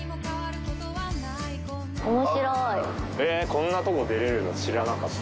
こんなとこ出れるの知らなかった。